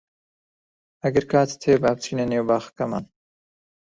ئەگەر کاتت هەیە با بچینە نێو باخەکەمان.